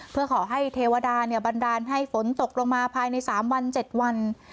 เพื่อขอให้เทวดาบันดาลให้ฝนตกลงมาภายใน๓วัน๗วัน